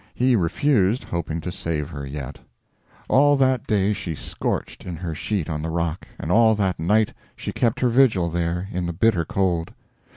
He refused, hoping to save her yet. All that day she scorched in her sheet on the rock, and all that night she kept her vigil there in the bitter cold.